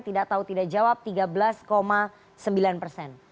tidak tahu tidak jawab tiga belas sembilan persen